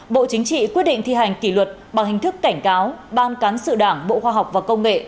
bộ chính trị quyết định thi hành kỷ luật bằng hình thức cảnh cáo ban cán sự đảng bộ khoa học và công nghệ